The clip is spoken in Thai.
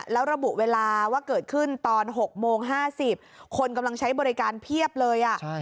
แล้วระบุเวลาว่าเกิดขึ้นตอน๖โมง๕๐คนกำลังใช้บริการเพียบเลย